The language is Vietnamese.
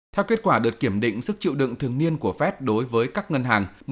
theo kết quả được kiểm định sức chịu đựng thường niên của fed đối với các ngân hàng